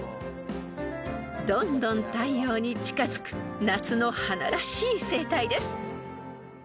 ［どんどん太陽に近づく夏の花らしい生態です］